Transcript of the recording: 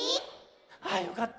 ああよかった。